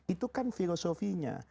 itu kan filosofinya